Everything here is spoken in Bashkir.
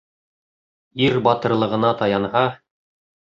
Ир батырлығына таянһа